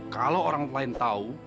kalau orang lain tahu